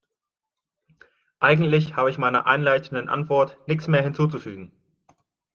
Eigentlich habe ich meiner einleitenden Antwort nichts mehr hinzuzufügen.